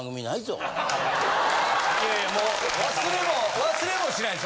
いやいやもう忘れもしないです。